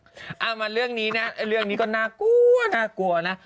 เอามาเรื่องนี้นะเรื่องนี้ก็น่ากลัวน่ากลัวนะ